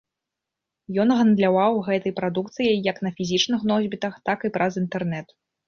Ён гандляваў гэтай прадукцыяй як на фізічных носьбітах, так і праз інтэрнэт.